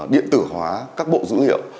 điện tử hóa các bộ dữ liệu